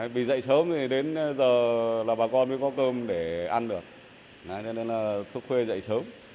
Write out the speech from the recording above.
vì dậy sớm đến giờ là bà con mới có cơm để ăn được nên là thuốc khuê dậy sớm